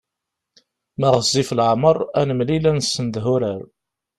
Ma ɣezzif leɛmeṛ ad nemlil ad nessendeh urar.